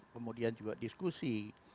kemudian juga diskusi